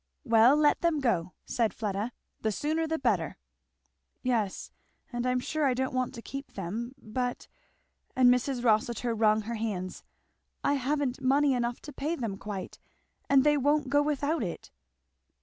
"Well let them go," said Fleda, "the sooner the better." "Yes, and I am sure I don't want to keep them; but " and Mrs. Rossitur wrung her hands "I haven't money enough to pay them quite, and they won't go without it."